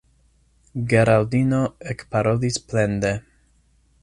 Geraldino ekparolis plende: